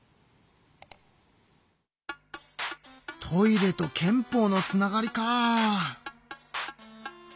トイレと憲法のつながりか。